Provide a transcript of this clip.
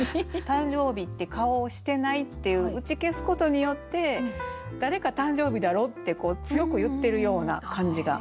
「誕生日って顔をしてない」っていう打ち消すことによって「誰か誕生日だろう」って強く言ってるような感じが。